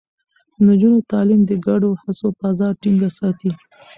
د نجونو تعليم د ګډو هڅو فضا ټينګه ساتي.